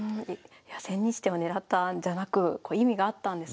千日手を狙ったんじゃなく意味があったんですね。